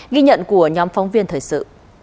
ghi nhận của nhóm phóng viên thời sự